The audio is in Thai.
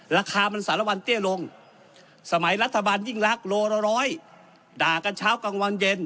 ราคามันสารวัลเตี้ยลงสมัยรัฐบาลยิ่งรักโลละร้อยด่ากันเช้ากลางวันเย็น